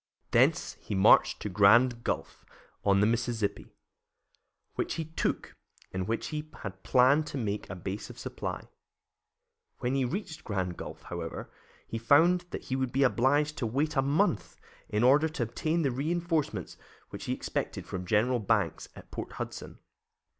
Thence he marched to Grand Gulf, on the Mississippi, which he took, and which he had planned to make a base of supply. When he reached Grand Gulf, however, he found that he would be obliged to wait a month, in order to obtain the reinforcements which he expected from General Banks at Port Hudson.